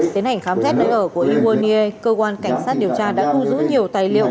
tiến hành khám xét nơi ở của iwanie cơ quan cảnh sát điều tra đã thu giữ nhiều tài liệu